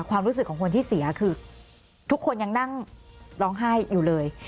ความรู้สึกของคนที่เสียคือทุกคนยังนั่งร้องไห้อยู่เลย